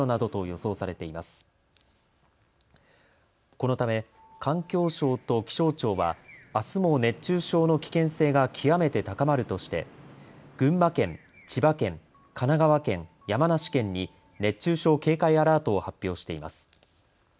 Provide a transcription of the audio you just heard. このため環境省と気象庁はあすも熱中症の危険性が極めて高まるとして群馬県、千葉県、神奈川県、山梨県に熱中症警戒アラートを発表しています。